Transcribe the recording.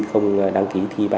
không đăng ký thiên đại học